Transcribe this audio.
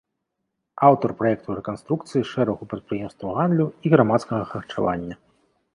Аўтар праектаў рэканструкцыі шэрагу прадпрыемстваў гандлю і грамадскага харчавання.